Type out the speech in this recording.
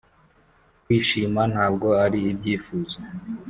kwishima ntabwo ari ibyifuzo.